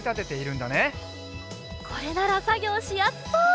これならさぎょうしやすそう！